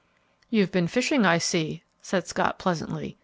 "You've been fishing, I see," said Scott, pleasantly.